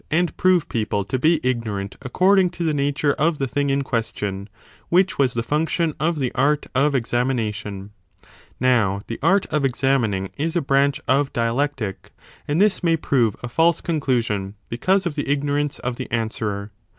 i6g b DE SOPHISTICIS ELENCHIS prove people to be ignorant according to the nature of the thing in question, which was the function of the art of 25 examination. Now the art of examining is a branch of dialectic: and this may prove a false conclusion because of the ignorance of the answerer.